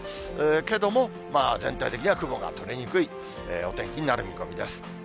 けども、全体的には雲が取れにくいお天気になる見込みです。